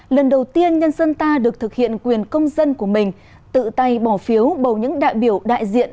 lần đầu tiên nhân dân ta được thực hiện quyền công dân của mình tự tay bỏ phiếu bầu những đại biểu đại diện